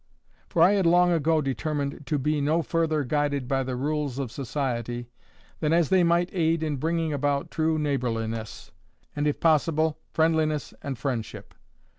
For I had long ago determined to be no further guided by the rules of society than as they might aid in bringing about true neighbourliness, and if possible friendliness and friendship.